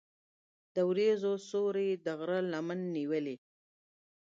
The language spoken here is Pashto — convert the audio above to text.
د وریځو سیوری د غرونو لمن نیولې.